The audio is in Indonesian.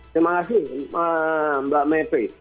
terima kasih mbak mepi